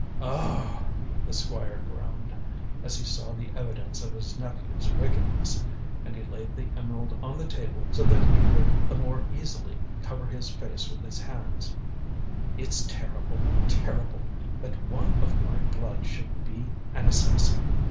"Oh!" the Squire groaned, as he saw the evidence of his nephew's wickedness, and he laid the emerald on the table so that he could the more easily cover his face with his hands "It's terrible terrible. That one of my blood should be an assassin!